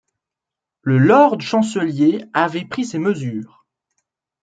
Le lord-chancelier avait pris ses mesures.